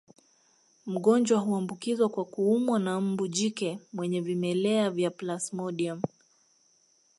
Mgonjwa huambukizwa kwa kuumwa na mbu jike mwenye vimelea vya plasmodium